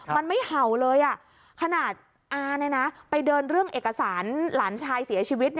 มันไม่เห่าเลยขนาดอาไปเดินเรื่องเอกสารหลานชายเสียชีวิต